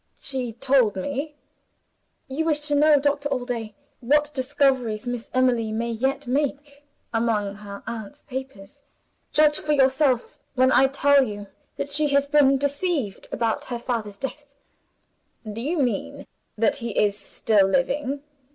"She told me." "You wish to know, Doctor Allday, what discoveries Miss Emily may yet make, among her aunt's papers. Judge for yourself, when I tell you that she has been deceived about her father's death." "Do you mean that he is still living?"